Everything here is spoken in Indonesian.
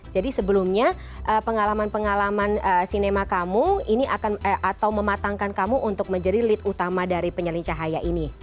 jadi sebelumnya pengalaman pengalaman sinema kamu ini akan atau mematangkan kamu untuk menjadi lead utama dari penyalin cahaya ini